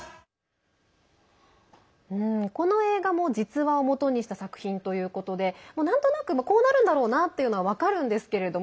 この映画も、実話をもとにした作品ということでなんとなく、こうなるんだろうなっていうのは分かるんですけども